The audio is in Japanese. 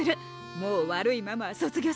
もう悪いママは卒業するからね。